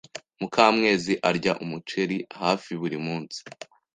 Mukamwezi arya umuceri hafi buri munsi.